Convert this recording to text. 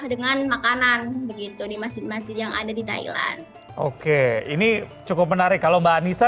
dengan makanan begitu di masjid masjid yang ada di thailand oke ini cukup menarik kalau mbak anissa